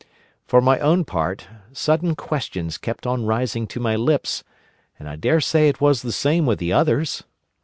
For my own part, sudden questions kept on rising to my lips, and I dare say it was the same with the others.